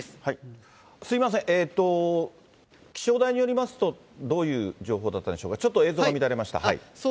すみません、気象台によりますと、どういう情報だったんでしょうか、ちょっと映像が乱れました。